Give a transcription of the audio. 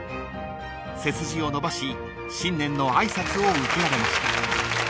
［背筋を伸ばし新年の挨拶を受けられました］